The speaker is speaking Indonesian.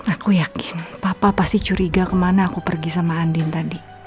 aku yakin papa pasti curiga kemana aku pergi sama andin tadi